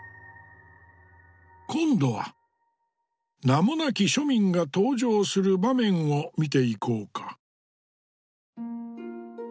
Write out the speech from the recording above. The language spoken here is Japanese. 今度は名もなき庶民が登場する場面を見ていこうか。